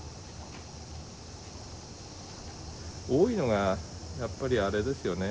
多いのがやっぱりあれですよね。